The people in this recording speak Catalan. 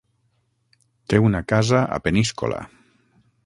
Té una casa a Peníscola.